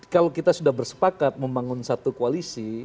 kalau kita sudah bersepakat membangun satu koalisi